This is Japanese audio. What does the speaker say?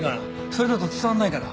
それだと伝わらないから。